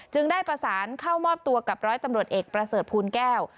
ได้ประสานเข้ามอบตัวกับร้อยตำรวจเอกประเสริฐภูลแก้ว